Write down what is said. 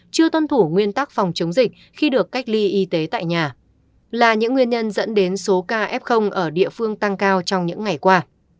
chưa tuân thủ nguyên tắc phòng chống dịch khi được cách ly y tế tại nhà là những nguyên nhân dẫn đến số ca f ở địa phương tăng cao trong những ngày qua